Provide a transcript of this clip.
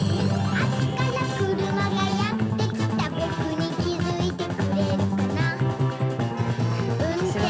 あっちからくるまがやってきたぼくにきづいてくれるかなうんてん